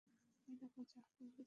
এই দেখ, যা বলেছিলাম!